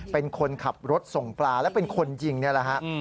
เป็นคนขับรถส่งปลาและเป็นคนยิงนี่แหละฮะ